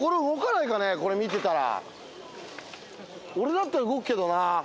これ見てたら。